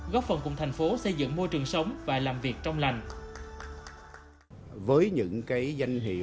góp phần cùng thành phố xây dựng môi trường sống và làm việc trong lành